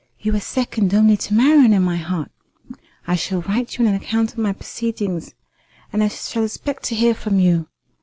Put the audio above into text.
You are second only to Marian in my heart. I shall write you an account of my proceedings, and shall expect to hear from you.